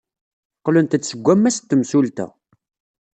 Qqlent-d seg wammas n temsulta.